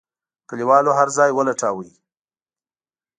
کليوالو هرځای ولټاوه.